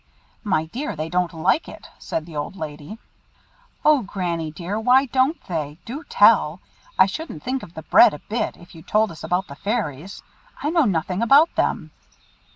"My dear, they don't like it," said the old lady. "O Granny dear, why don't they? Do tell! I shouldn't think of the bread a bit, if you told us about the Fairies. I know nothing about them."